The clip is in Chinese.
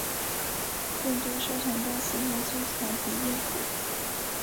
更多收藏家喜欢收藏鼻烟壶。